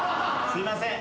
すいません。